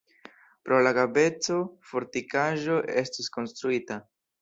Pro la graveco fortikaĵo estis konstruita.